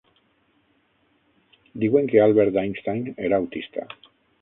Diuen que Albert Einstein era autista.